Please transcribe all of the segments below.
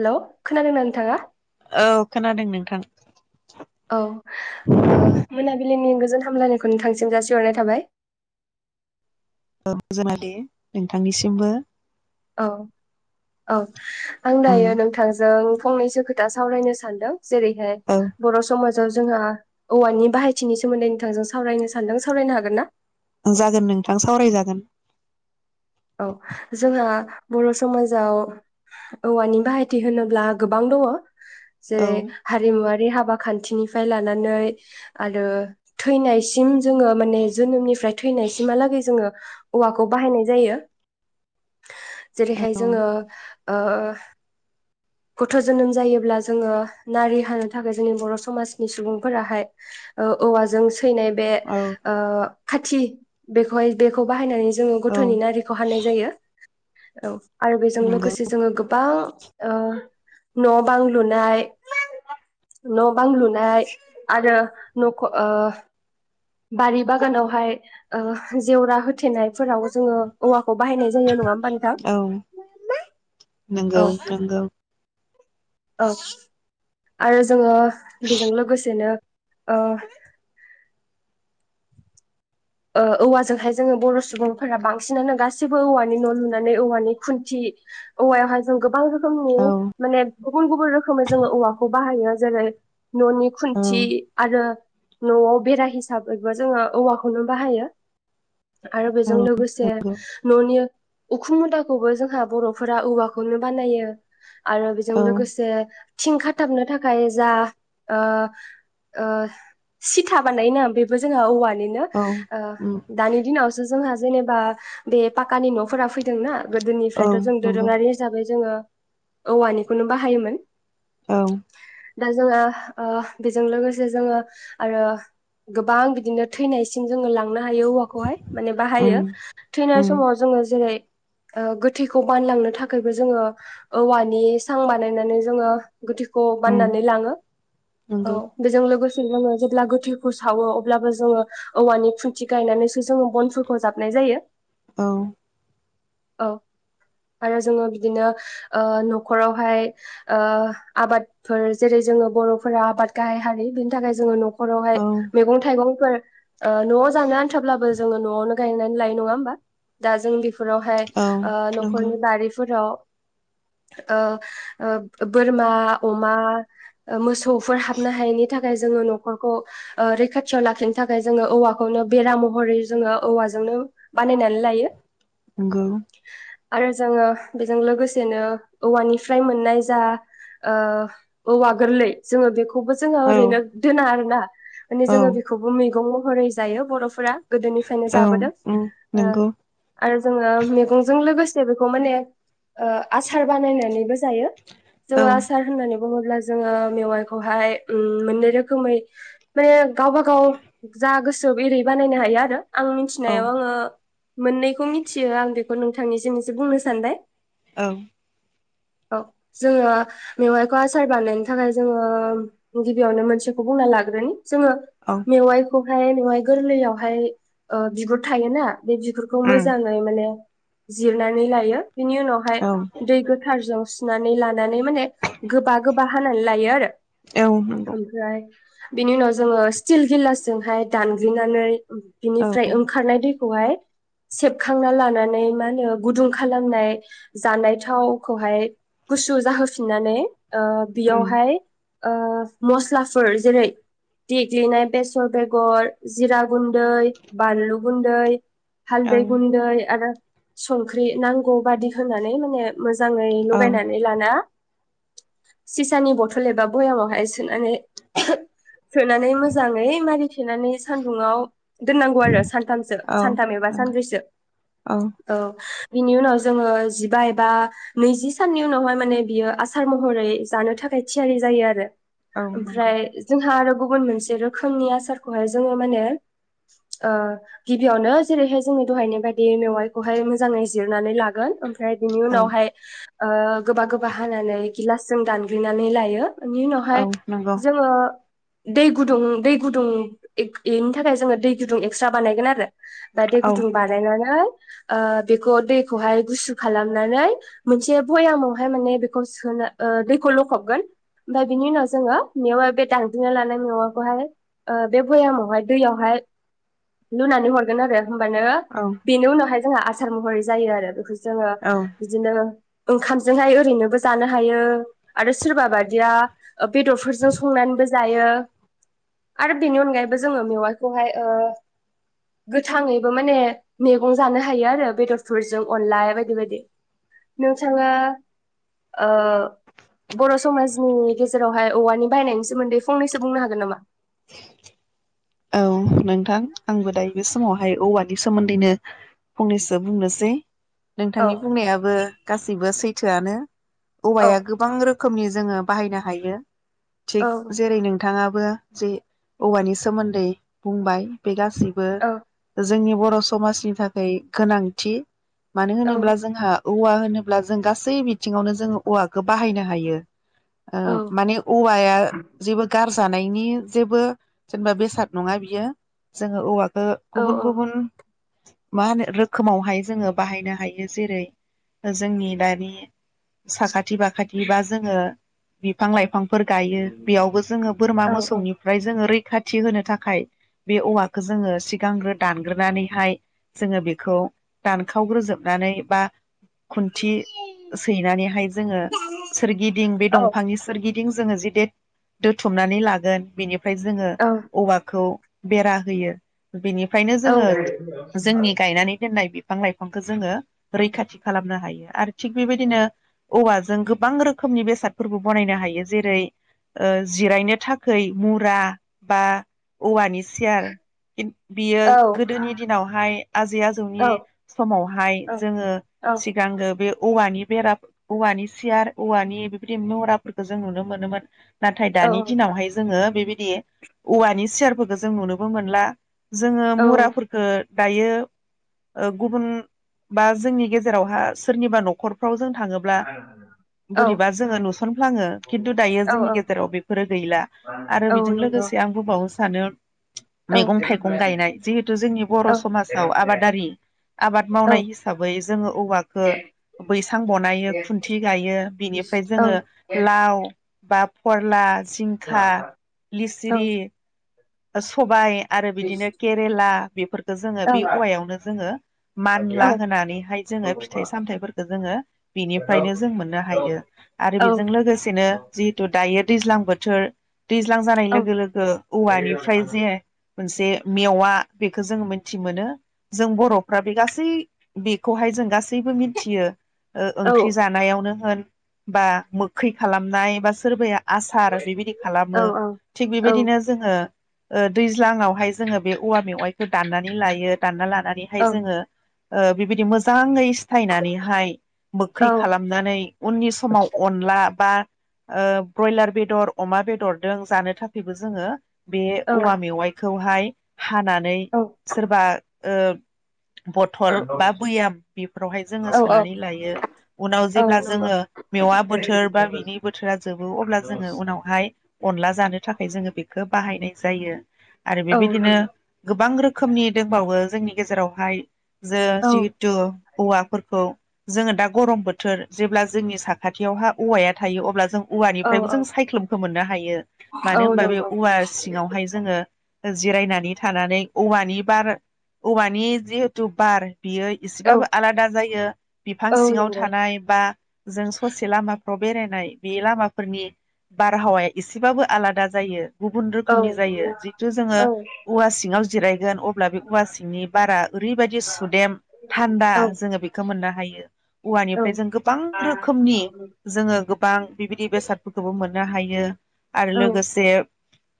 हेल' खोनादोंना नोंथाङा औ खोनादों नोंथां औ ओ मोनाबिलिनि गोज गोन हामनायखौ नोंथांसिम जासिहरनाय थाबाय औ गोजोनाय नोंथांनिसिमबो औ औ आं उम दायो नोंथांजों फंनैसो खोथा सावरायनो सानदों जेरैहाय औ बर' समाज जोंहा औवानि बाहायथिनि सोमोन्दै नोंथांजों सावरायनो सानदों सावरायनो हागोन ना? जागोन नोंथां सावरायजागोन औ जोंहा बर' समाजाव औवानि बाहायथि होनोब्ला गोबां दङ जे औ हारि मुवा हाबा खान्थिनिफ्राय लानानै आरो थैनायसिम जोंङो माने जोनोमनि ओमफ्राय थैनायसिमहालागै जोंङो औवाखौ बाहायनाय जायो जेरैहाय औ जोङो ओ गथ' जोनोम जायोब्ला जोङो नारि हानो थाखाय जोंनि बर' समाजनि सुबुंफोराहाय ओ औवाजों थैनाय बे औ ओ खाथि बेखौहाय बेखौ बाहायनानै जोङो औ गथ'नि नारिखौ हानाय जायो औ आरो बेजों नंगौ लोगोसे जोङो गोबां ओ न' बां लुनाय न' बां लुनाय आरो नखर ओ बारि बागानावहाय ओ जेवरा होथेनायफोराव जोङो औवाखौ बाहायनाय होयो नङा होमबा नोंथां नोंगौ औ नोंगौ औ आरो जोङो बेजों लोगोसेनो ओ ओ औवाजोंहाय जोङो बर' सुबुंफोरा बांसिनानो गासैबो औवानि न' लुनानै औवानि खुन्थि औवायावहाय जों गोबां रोखो औ मनि गुबुन गुबुन रोखोमै जोङो औवाखौ बाहायो जेरै न'नि औ खुन्थि आरो न'आव बेरा हिसाबैबो जोङो औवा खौनो बाहायो आरो बेजों औ लोगोसे नंगौ न'नि उखुम मुदाखौबो जोंहा बर'फोरा औवाखौनो बानायो आरो बिजों औ लोगोसे थिं खाथाबनो थाखाय जा ओ ओ सिथा बानायोना बेबो जोंहा औवानि ओ औ उम दानि दिनाव जोंहा जेनेबा बे पाकानि न'फोरा फैदोंना औ गोदोनिफ्रायथ' नंगौ जों औवानिखौनो बाहायोमोन औ दा जोङा ओ बेजों लोगोसे जोङो आरो गोबां बिदिनो थैनाय थिं जोङो लां नो हायो औवाखौहाय माने उम बाहायो थैनाय उम समाव जोङो जेरै ओ गोथैखौ बानलांनो थाखायबो जोङो औवानि सां बानायनानै जोङो गोथैखौ उम बाननानै लाङो नंगौ औ बेजों लोगोसे ङो जेब्ला गोथैखौ सावो अब्लाबो जोङो औवानि खुन्थि गायनानैसो जोङो बनफोरखौ जाबनाय जायो औ औ आरो जोङो बिदिनो ओ न'खरावहाय ओ आबादफोर जेरै जोङो बर'फोरा आबाद गाहाय हारि बिनि थाखाय जोङो न'खर हरावहाय औ मैगं थाइगंफोर ओ न'आव जानो आन्थाब्लाबो जोङो न'आवनो गायनानै दा जों बेखौ फोरावहाय औ ओ नंगौ न'खरनि बारिफोराव ओ ओ बोरमा अमा मोसौ फोर हाबनो हायिनि थाखाय जोङो न'खरखौ रैखाथियाव लाखिनो थाखाय थाखाय जोङो औवाखौनो बेरा महरै जोङो औवाजोंनो बानायनानै लायो नंगौ आरो जोङो बेजों लोगोसेनो औवानिफ्राय मोननाय जा ओ औवा गोरलै जोङो बे बेखौबो जोङो औ ओरैनो दोना आरोना माने औ जोङो बेखौबो मो ग महरै जायो बर'फोरा गोदोनिफ्रायनो औ उम जाबोदों ओ नंगौ आरो जोङो मैगंजों लोगोसे से बेखौ माने आसार बानायनानैबो जायो औ जोङो आसार होननानै बुङोब्ला जोङो मेवाइखौहाय मोननै रोखोमै माने गाबा गाव दा गोसो एरै बानायनो हायो आरो आं औ मिथिनायाव आङो मोननैखौ मिथियो आं बेखौ नोंथांनिसिम एसे बुंनो सानबाय औ औ जोंङो मेवाइखौ आसार बानायनायनि थाखाय जोंङो गिबियावनो मोनसेखौ बुंना लाग्रोनि जोंङो औ उम मेवाइ खौहाय मेवाय गोरलैयावहाय ओ बिगुर थायोना बे बिगुरखौ मोजांङै माने जिरनानै लायो। बिनि उनावहाय औ दै गोथारजों नानै ला नानै माने गोबा गोबा हानानै लायो आरो औ नंगौ ओमफ्राय बिनि उनाव जोंङो स्टेल गिलास जोंहाय दानग्लिनानै औ बिनिफ्राय ओंखारनाय दै खौहाय सेबखांना लानानै मा होनो गुदुं खालामनाय जानाय थावखौहाय गुसु जाहोफिननानै ओ उम बियावहाय ओ मस्लाफोर जेरै देग्लिनाय बेस गर बेगर जिरा गुन्दै बानलु गुन्दै औ हालदै गुन्दै आरो संख्रि नांगौ बादि होनानै माने मोजांङै औ लगायनानै लाना सिसानि बथल एबा बयामावहाय सोनानै सोनानै मोजांङै मारि थेनानै सानदुंआव दोननांगौ आरो सानथामसो औ सानथाम एबा नंगौ सानब्रैसो औ बिनि उनाव जोंङो जिबा एबा नैजि साननि उनावहाय माने बियो आसार महरै जानो थाखाय थियारि जायो आरो। औ नंगौ ओमफ्राय जोंहा आरो गुबुन मोनसे रोख खोमनि आसारखौहाय जोंङो माने ओ गिबियावनो जेरै हाय जोंङो दहायनि बाय बे मेवाइखौहाय मोजांङै जिरनानै लागोन ओमफ्राय बिनि औ उनावहाय ओ गोबा गोबा हानानै गिलासजों दानग्लिनानै लायो। ओनि उनावहाय औ नंगौ जोंङो दै गुदुं दै गुदुं इग इनि थाखाय जोंङो दै गुदुं एक्सट्रा बानायगोन आरो। दा दै औ गुदुं बानायनानै ओ बेखौ दैखौहाय गुसु खालामनानै मोनसे भयामावहाय माने बेखौ सोनो ओ दैखौ लखबगोन ओमफ्राय बिनि उनाव जोंङो मेवा बे दांनग्लिना लानाय मेवाय खौहाय ओ बे भयामावहाय दैयावहाय लुनानै हरगोन आरो। होमबानो औ बेनि उनावहाय जोंहा आसार महरै जायो आरो बेखौ जोंङो औ बिदिनो ओंखामजोंहाय ओरैनोबो जानो हायो आरो सोरबा बायदिया ओ बेदरफोरजों संनानैबो जायो। आरो बेनि अनगायैबो जोंङो मेवाइखौहाय ओ गोथांङैबो माने मेगं जानो हायो आरो बेदरफोरजों अनला बायदि बायदि नोंथांङा ओ बर' समाजनि गेजेरावहाय औवानि बाहायनायनि सोमोन्दै फंनैसो बुंनो हागोन नामा? औ नोंथां आंबो दायो बे समावहाय औवानि सोमोन्दैनो फंनैसो बुंनोसै। औ नोंथांनि बुंनायाबो गासिबो सैथ थोआनो। औ औवाया गोबां रोखोमनि जोंङो बाहायनो हायो। औ थिग जेरै नोंथांङा बो जे औवानि सोमोन दै बुंबाय बे गास सिबो औ जोंनि बर' समाजनि थाखाय गोनांथि। मानो औ होनोब्ला जोंहा औवा होनोब्ला जों गासै बिथिंङावनो जोंङो औवाखौ बाहायनो हायो । औ ओ माने औवाया जेबो गाज्रि जानायनि जेबो जेनेबा बेसाद नंङा बियो जोंङो औवा ओ गुबुन औ गुबुन माहोनो रोखोमावहाय जोंङो बाहायनो हायो जेरै जोंनि दानि साखाथ थिबा खाथिबा जोंङो बिफां लाइफां फोर गायो बेयावबो जोंङो बोरमा औ मोसौनिफ्राय जोंङो रैखाथ थि होनो था खाय बे औवाखौ जोंङो सिगांग्रो दानग्रोनानैहाय जोंङो बेखौ दानखावग्रोजोबनानै बा खुन्थि सैनानैहाय जोंङो सोरगिदिं बे औ दंफांनि सोरगि दिं जोंङो जि दे दुथुमनानै लागोन बिनि फ्राय जोंङो औ औवा खौ बेरा होयो । बिनिफ्रायनो औ जोंङो जोंनि गायनानै दोननाय बे बिफां लाइफांखौ जोंङो रैखाथि खालामनो हायो आरो थिग बेबायदिनो औवाजों गोबां रोखोमनि बेसादफोरबो बनायनो हायो, जेरै जिरायनो थाखै मुरा बा औवानि सियार बिब-बियो गोदोनि दिनावहाय आजै आजौनि समावहाय जोंङो सिगांगो बे औवानि बेरा औवानि सियार औवानि बेबायदि मुराफोरखौ जों नुनो मोनोमोन । नाथाय दानि दिनावहाय जोंङो बेबायदि औवानि सियारफोरखौ जों नुनोबो मोनला । जोंङो औ मुरा फोरखो दायो ओ गुबुन बा जोंनि गेजेरावहा सोरनिबा नखरफ्राव जों थांङोब्ला बोरैबा जोंङो नुसनफ्लाङो खिन्थु दायो औ जोंनि गेजेराव बेफोरो गैला आरो औ बेजों नंगौ लोगोसे आं बुंबावो सानो औ मैगं थाइगं गायनाय जिहेथु जोंनि बर'समाजाव आबादारि आबाद मावनाय हिसाबै जोंङो औवाखौ बैसां बनायो खुन्थि गायो बिनिफ्राय जोंङो लाव बा फरला जिंखा, लिसिरि सबाय आरो बिदिनो केरेला बेफोर खो जोंङो बे औवायावनो जोंङो मानला होनानैहाय जोंङो फिथाइ सामथायाइफोरखौ जोंङो बिनिफ्रायनो जों मोननो हायो। आरो बेजों लोगोसेनो जिहेथु दायो दैज्लां बोथोर दैज्लां जानाय लोगो लोगो औवानिफ्राय जे मोनसे मेवा बेखौ जों मिथि मोनो जों बर'फ्रा बे गासै बेखौहाय जों गासै सैबो मिथियो ओ ओंख्रि जानायावनो होन बा मोखै खालामनाय बा सोरबाया आसार बेबायदि खालामो औ थिग बेबायदिनो जोंङो ओ दैज्लांङाव हाय जोंङो बे औवा मेवाइखौ दाननानै लायो दानना ला नानैहाय जोंङो ओ बिबायदि मोजांङै सायनानैहाय मोखै खालामनानै उननि समाव अनला बा ओ ब्रयलार बेदर, अमा बेदरजों जानो थाखायबो जोंङो बे औवा मेवाइ खौहाय [unintelligible] हानानै सोरबा ओ बथल बा बैयाम बेफोरावहाय जोंङो सोनानै लायो। उनाव जेब्ला जोंङो मेवा बोथोर बा बिनि बोथोरा जोबो अब्ला जोंङो उनावहाय अनला जानो थाखाय जोंङो बे खो बाहायनाय जायो। आरो बेबायदिनो गोबां रोखोमनि दंबावो । जोंनि गेजेरावहाय । जो जितु औवाफोरखौ जोङो दा गरम बोथोर जेब्ला जोंनि साखाथियावहा औवाया थायो अब्ला जों औवानिफ्रायबो जों सायख्लुमखौ मोननो हायो हायो । औ नंगौ । औवा सिङावहाय जोङो जिरायनानै बियो एसेबाबो आलादा जायो बिफां सिङाव थानाय बा जों ससे लामा नाव बेरायनाय बे लामाफोरनि बारहावाया एसेबाबो आलादा जायो । गुबुन रोखोमनि जायो जितु जोङोवा सिङाव जिराय अब्ला बे औवा सिंनि बारा ओरैबायदि सुदेम थानदा जोङो बेखौ मोननो हायो औवानिफाय जों गोबां रोखोमनि जोङो गोबां बेबायदि बेसादफोरखौबो मोनगो ना हायो । आरो लोगोसे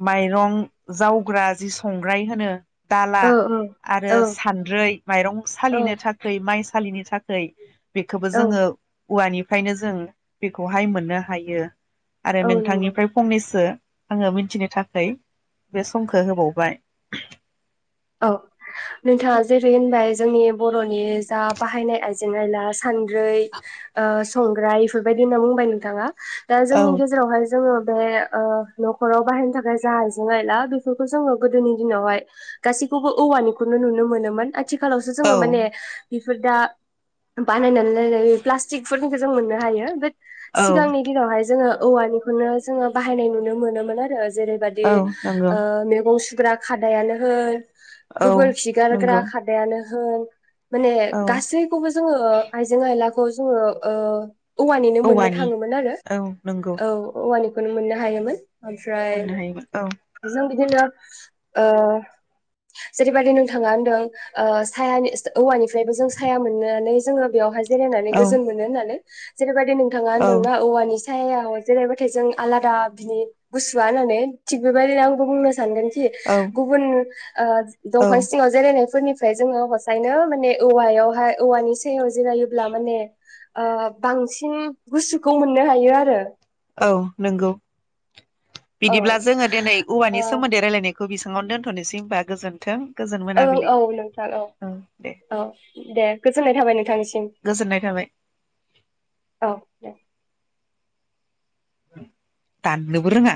माइरं जावग्रा जि संग्राय होनो दाला आरो सानद्रै माइरं सालिनो थाखाय माइ सालिनि थाखाय बेखौबो जोङो औवानिफ्रायनो जों बेखौहाय मोननो हायो । आरो नंगौ नोंथांनिफ्राय फंनैसो आङो मिथिनो थाखाय बे समखौ होबावबाय औ नोंथाङा जेरै होनबाय जोंनि बर'नि जा बाहायनाय आइजें आयला सानद्रै ओ संग्राय इफोरबायदि होनना बुंबाय नोंथाङा। दा औ जोंनि गेजेरावहाय जोङो बे ओ न'खराव बाहेरनो थाखाय जा आइजें आयला बेफोरखौ जोङो गोदोनि दिनावहाय गासैखौबो औवानिखौनो नुनो मोनोमोन आ आथिखालावसो औ जोङो माने फोदा बाननानै जेरै प्लास्टिकफोरनिखौ जों मोननो हायो बेट औ सिगांनि दिनावहाय जोङो औवानिखौनो जोंङो बाहायनाय नुनो मोनोमोन आरो। जेरै बायदि औ नंगौ ओ मेगं सु फ्रा खादायानो होन औ गोबोर खिगारग्रा नंगौ खादायानो होन माने औ गासैखौबो जोंङो आइजें आयला खौ जोंङो ओ औवानिनो मोननो औवानि थांङोमोन आरो औ नंगौ औ औवानि खनो मोननो हायोमोन। ओमफ्राय मोननो हायोमोन जों दिनो ओ जेरै बायदि नोंथांङा होनदों ओ सायानि औवानिफ्रायबो जों साया मोननानै जोंङो बेयावहाय जिरायनानै औ गोजोन मोनो होननानै जेरै बाय ओय नोंथांङा औ होनदोंना औवानि सायाव जेरैबाथाय जों आलादा बिनि गुसुआ होननानै थिग बेबायदिनो आंबो बुंनो सानदों दि औ गुबुन ओ औ दंफां सिंयाव जेरायनाय फोरनिफ्राय जोंङो हसायनो माने औवायावहाय औवानि सायाव जिरायोब्ला माने ओ बांसिन गुसुखौ मोननो हायो आरो। औ नंगौ। औ बिदिब्ला जोंङो दिनै औवानि ओ सोमोन्दै रायलायनाय खौ बेसांयावनो दोनथ'नोसै होनबा गोजोन्थों। गोजोन औ मोनाबिलि औ नोंथां औ औ दे गोजोननाय थाबाय नोंथांनिसिम गोजोननाय थाबाय औ दे। दाननोबो रोंङा।